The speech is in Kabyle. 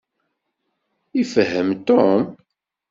Ifehhem Tom.